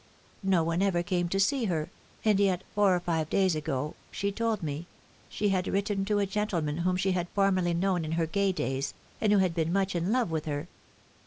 No one ever came to see her; and yet, four or five days ago, she told me, she had written to a gentleman whom she had formerly known in her gay days, and who had been much in love with her.